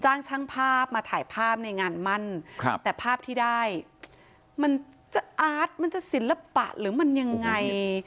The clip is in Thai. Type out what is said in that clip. ช่างภาพมาถ่ายภาพในงานมั่นครับแต่ภาพที่ได้มันจะอาร์ตมันจะศิลปะหรือมันยังไง